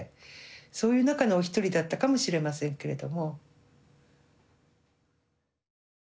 そういう中のお一人だったかもしれませんけれども。